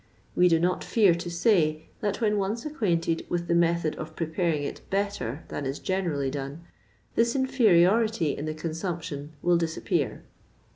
We do not fear to say that when once acquainted with the method of preparing it better than is generally done, this inferiority in the consumption will disappear.